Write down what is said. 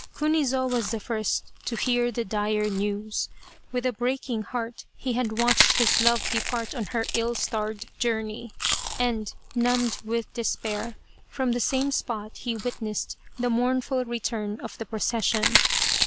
Kunizo was the first to hear the dire news. With a breaking heart he had watched his love depart on her ill starred journey, and, numbed with despair, from the same spot he witnessed the mournful return of the procession.